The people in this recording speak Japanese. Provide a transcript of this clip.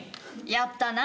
やったな。